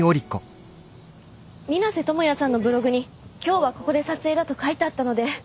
皆瀬知也さんのブログに今日はここで撮影だと書いてあったので。